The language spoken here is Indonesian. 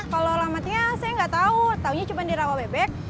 kalo alamatnya saya gak tau taunya cuma di rawa bebek